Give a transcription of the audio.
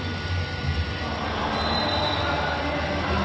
ちょっとコンビが合いませんでした。